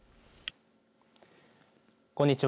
こんにちは。